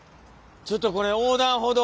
ちょっとこれ横断歩道。